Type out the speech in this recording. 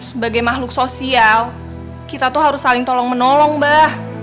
sebagai makhluk sosial kita tuh harus saling tolong menolong mbak